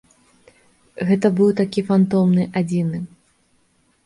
Гэта быў такі фантомны адзіны.